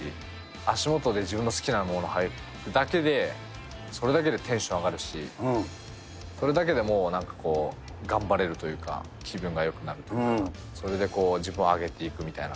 足元で自分の好きなもの履いているだけで、それだけでテンション上がるし、それだけでもう、なんかこう、頑張れるというか、気分がよくなるというか、それで自分を上げていくみたいな。